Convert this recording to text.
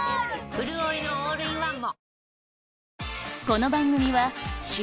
うるおいのオールインワンも！